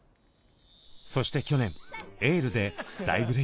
そして去年「エール」で大ブレーク。